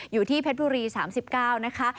อยู่ที่เพชรบุรี๓๙นะคะ